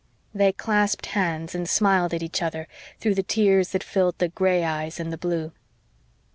They clasped hands and smiled at each other through the tears that filled the gray eyes and the blue.